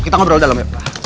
kita ngobrol dalam ya